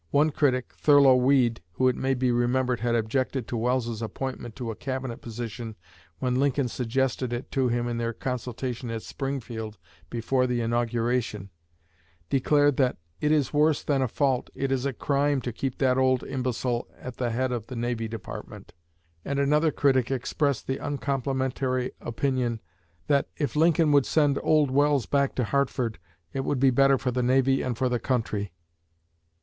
One critic (Thurlow Weed, who, it may be remembered, had objected to Welles's appointment to a Cabinet position when Lincoln suggested it to him in their consultation at Springfield before the inauguration) declared that "It is worse than a fault, it is a crime, to keep that old imbecile at the head of the Navy Department." And another critic expressed the uncomplimentary opinion that "If Lincoln would send old Welles back to Hartford, it would be better for the Navy and for the country."